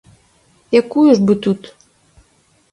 Якую ж бы тут?